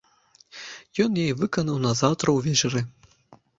Ён яе выканаў назаўтра ўвечары.